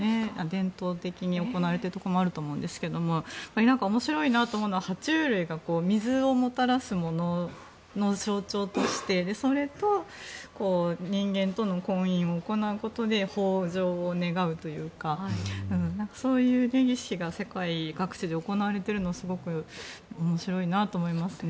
伝統的に行われているところもあると思いますが面白いなと思うのは爬虫類が水をもたらすものの象徴としてそれと人間との婚姻を行うことで豊穣を願うというかそういう儀式が世界各地で行われているのを面白いなと思いますね。